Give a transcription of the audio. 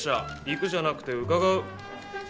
行くじゃなくて「伺う」。